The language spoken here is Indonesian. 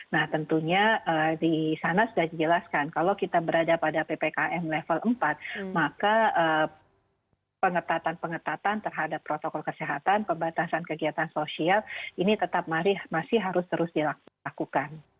nah tentunya di sana sudah dijelaskan kalau kita berada pada ppkm level empat maka pengetatan pengetatan terhadap protokol kesehatan pembatasan kegiatan sosial ini tetap masih harus terus dilakukan